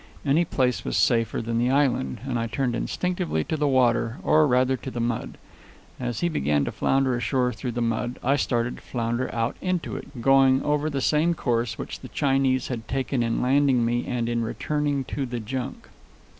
Any place was safer than the island, and I turned instinctively to the water, or rather to the mud. As he began to flounder ashore through the mud, I started to flounder out into it, going over the same course which the Chinese had taken in landing me and in returning to the junk.